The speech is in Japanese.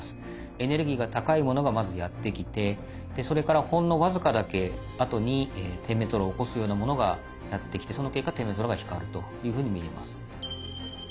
エネルギーが高いものがまずやって来てそれからほんの僅かだけあとに点滅オーロラを起こすようなものがやって来てその結果点滅オーロラが光るというふうに見えます。